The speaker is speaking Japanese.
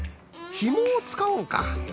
ひもをつかうんか。